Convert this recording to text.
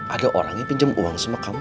ada orang yang pinjam uang sama kamu